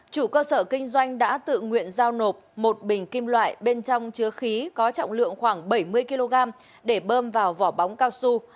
chủ cơ sở kinh doanh đã tự nguyện giao nộp một bình kim loại bên trong chứa khí có trọng lượng khoảng bảy mươi kg để bơm vào vỏ bóng cao su